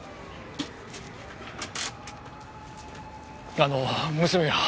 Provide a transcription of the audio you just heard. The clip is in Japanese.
あの娘は？